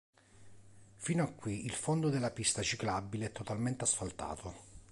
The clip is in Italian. Fino a qui il fondo della pista ciclabile è totalmente asfaltato.